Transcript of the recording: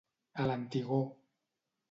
A l'antigor.